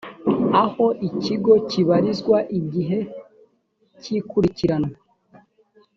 aho ikigo kibarizwa igihe cy’ikurikiranwa